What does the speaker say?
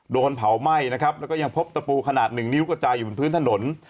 โดนเผาไหม้นะครับแล้วก็ยังพบตะปูขนาดหนึ่งนิ้วกระจายอยู่บนพื้นถนน